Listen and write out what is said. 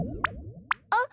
あっ。